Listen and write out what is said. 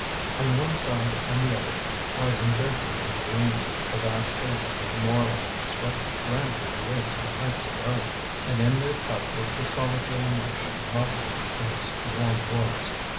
On one side and the other, rising gently and greenly, the vast spaces of the moorlands swept grandly away to the heights above. And in their cup was the solitary mansion muffled in its warm woods.